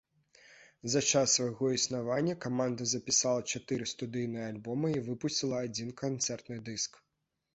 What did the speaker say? За час свайго існавання каманда запісала чатыры студыйныя альбомы і выпусціла адзін канцэртны дыск.